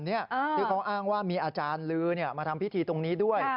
ที่เขาอ้างว่ามีอาจารย์ลือมาทำพิธีตรงนี้ด้วย